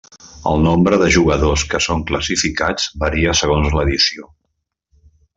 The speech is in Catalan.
El nombre de jugadors que són classificats varia segons l'edició.